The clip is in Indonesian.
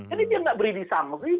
jadi dia nggak beri disanggung